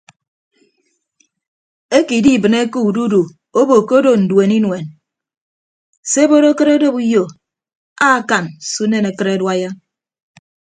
Eke idibịneke ududu obo ke odo nduen inuen se ebot akịt odop uyo akan se unen akịt aduaiya.